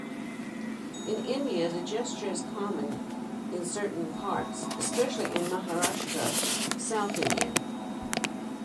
In India the gesture is common in certain parts, especially in Maharashtra, South India.